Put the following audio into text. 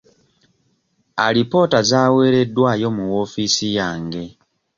Alipoota zaaweereddwayo mu woofiisi yange.